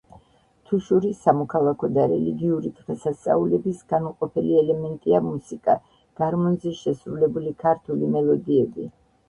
თუშური სამოქალაქო და რელიგიური დღესასწაულების განუყოფელი ელემენტია მუსიკა, გარმონზე შესრულებული ქართული მელოდიები.